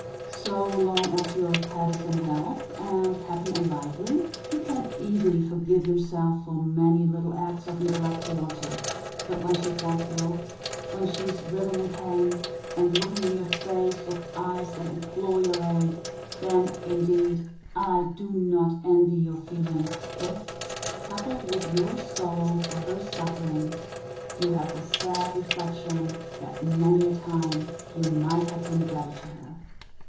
So long as your pet is in health, and happy and lively, you can easily forgive yourself for many little acts of neglect towards her; but when she falls ill, when she is writhing in pain, and looking in your face with eyes that implore your aid, then, indeed, I do not envy your feelings, if, coupled with your sorrow for her sufferings, you have the sad reflection that, many a time, you might have been better to her.